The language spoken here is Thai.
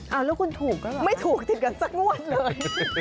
แล้วคุณถูกหรือเปล่าไม่ถูกติดกันสักงวดเลย